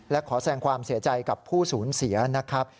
และขอแสงความเสียใจกับผู้สูญเสียนะครับ